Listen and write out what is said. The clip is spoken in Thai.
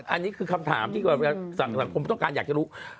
อันนี้คือคำถามที่สังคมต้องการอยากจะรู้